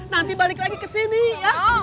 nanti balik lagi kesini ya